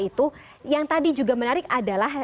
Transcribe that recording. itu yang tadi juga menarik adalah